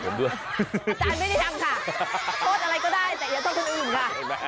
ผมแฟนมันแท้อาจารย์นะ